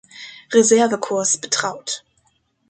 Reserve-Korps betraut.